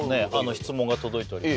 質問が届いております